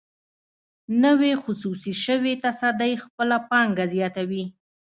نوې خصوصي شوې تصدۍ خپله پانګونه زیاتوي.